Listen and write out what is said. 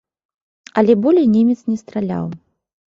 Але болей немец не страляў.